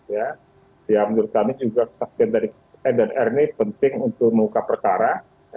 ya menurut kami juga kesaksian dari n dan r ini penting untuk mengukap perkara